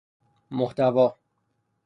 محتوی